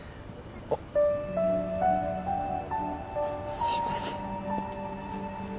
あっすいません